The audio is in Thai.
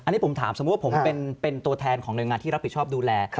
อันนี้ผมถามสมมุติว่าผมเป็นตัวแทนของหน่วยงานที่รับผิดชอบดูแล